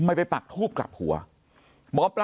เสียชีวิต